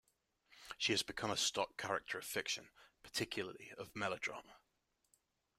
She has become a stock character of fiction, particularly of melodrama.